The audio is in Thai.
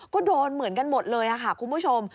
ก็โดนเหมือนกันหมดเลยค่ะคุณผู้ชม